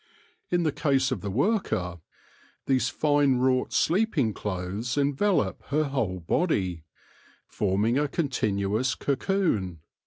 In the case of the worker these fine wrought pleeping clothes envelop her whole body, forming a continuous cocoon.